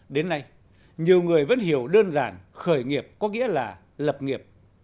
đến nay nhiều người vẫn hiểu đơn giản khởi nghiệp có nghĩa là lập nghiệp